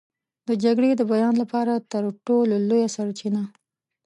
د جګړې د بیان لپاره تر ټولو لویه سرچینه.